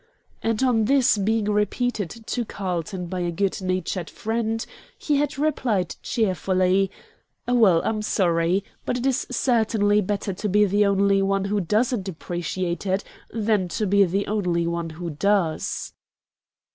And on this being repeated to Carlton by a good natured friend, he had replied cheerfully, "Well, I'm sorry, but it is certainly better to be the only one who doesn't appreciate it than to be the only one who does."